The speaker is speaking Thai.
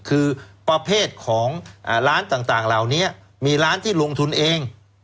คือประเภทของร้านต่างเหล่านี้มีร้านที่ลงทุนเอง